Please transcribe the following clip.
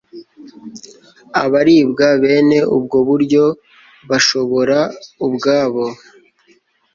Abaribwa bene ubwo buryo bashobora ubwabo